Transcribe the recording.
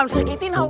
masih kiting tau